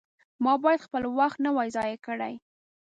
ما باید خپل وخت نه وای ضایع کړی.